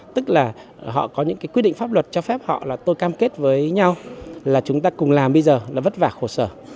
tức là họ có những quy định pháp luật cho phép họ là tôi cam kết với nhau là chúng ta cùng làm bây giờ là vất vả khổ sở